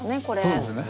そうですね。